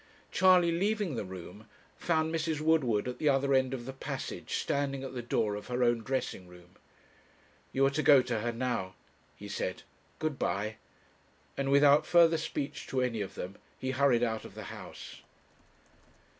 Charley, leaving the room, found Mrs. Woodward at the other end of the passage, standing at the door of her own dressing room. 'You are to go to her now,' he said. 'Good bye,' and without further speech to any of them he hurried out of the house.